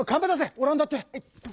「オランダ」って。